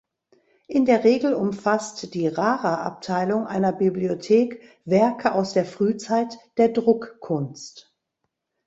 In der Regel umfasst die Rara-Abteilung einer Bibliothek Werke aus der Frühzeit der Druckkunst.